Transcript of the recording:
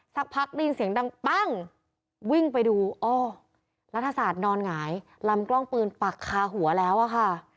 สักพักได้ยินเสียงดังปั้งวิ่งไปดูอ้อรัฐศาสตร์นอนหงายลำกล้องปืนปักคาหัวแล้วอะค่ะ